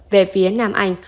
về phía nam anh